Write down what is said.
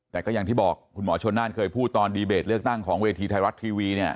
แต่ก็อย่างที่บอกคุณหมอชนน่านเคยพูดตอนดีเบตเลือกตั้งของเวทีไทยรัฐทีวีเนี่ย